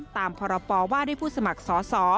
ตามพรปว่าด้วยผู้สมัครสอสอ